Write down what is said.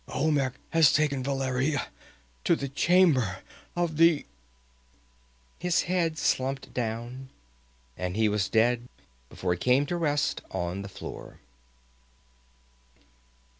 Olmec has taken Valeria to the Chamber of the " His head slumped down and he was dead before it came to rest on the floor.